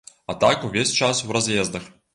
А так увесь час у раз'ездах.